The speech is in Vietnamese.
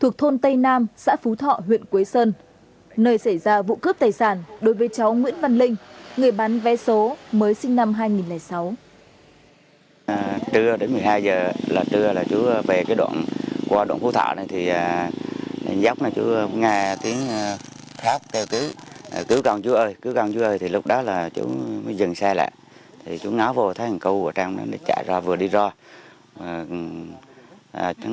khu vực rừng keo lá tràm thuộc thôn tây nam xã phú thọ huyện quế sơn